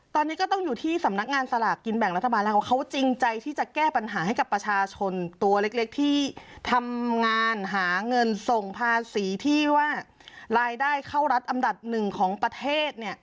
ตอนนี้ก็ต้องอยู่ที่สำนักงานสลากกินแบ่งรัฐบาลแล้วของเขาจริงใจที่จะแก้ปัญหาให้กับประชาชนตัวเล็กที่ทำงานหาเงินส่งภาษีที่ว่ารายได้เข้ารัฐอันดับหนึ่งของประเทศ